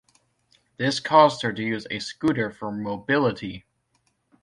This caused her to use a scooter for mobility.